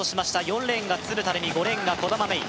４レーンが鶴田玲美５レーンが兒玉芽生